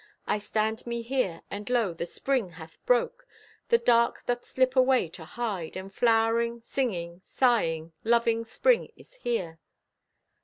I stand me here, and lo, the Spring hath broke! The dark doth slip away to hide, And flowering, singing, sighing, loving Spring Is here!